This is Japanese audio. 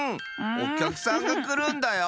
おきゃくさんがくるんだよ！